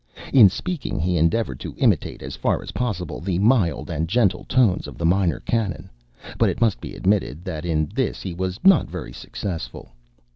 In speaking he endeavored to imitate, as far as possible, the mild and gentle tones of the Minor Canon, but it must be admitted that in this he was not very successful.